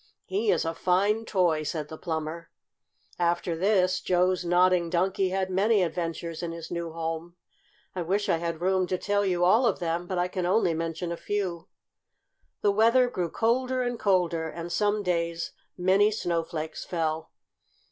"He is a fine toy!" said the plumber. After this Joe's Nodding Donkey had many adventures in his new home. I wish I had room to tell you all of them, but I can only mention a few. The weather grew colder and colder, and some days many snowflakes fell.